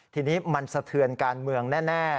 ทีนี้มันสะเทือนการเมืองแน่